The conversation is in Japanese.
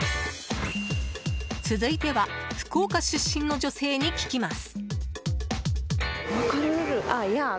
続いては福岡出身の女性に聞きます。